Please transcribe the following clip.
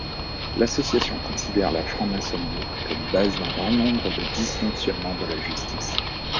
L'association considère la franc-maçonnerie comme base d'un grand nombre de dysfonctionnements de la justice.